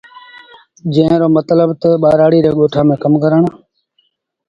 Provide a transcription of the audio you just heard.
جݩهݩ رو متلب تا ٻآرآڙي ري ڳوٺآݩ ميݩ ڪم ڪرڻ۔